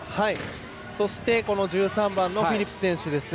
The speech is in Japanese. そして、１３番のフィップス選手ですね。